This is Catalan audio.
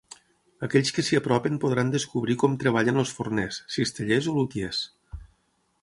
Aquells que s’hi apropin podran descobrir com treballen els forners, cistellers o lutiers.